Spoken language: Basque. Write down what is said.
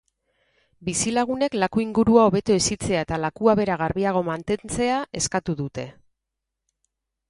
Bizilagunek laku ingurua hobeto hesitzea eta lakua bera garbiago mantentzea eskatu dute.